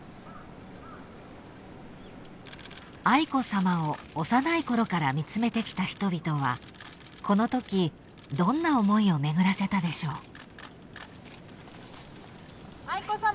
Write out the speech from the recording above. ［愛子さまを幼いころから見つめてきた人々はこのときどんな思いを巡らせたでしょう］